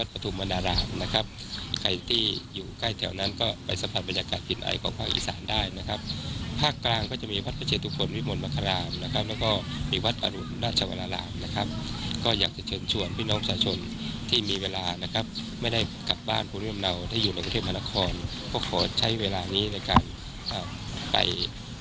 ไปนักศาสตร์การส่งน้ำพระทำวัดต่างเหล่านี้